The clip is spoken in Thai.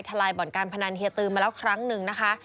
ลายบ่อนการพนันเฮียตือมาแล้วครั้งหนึ่งนะคะ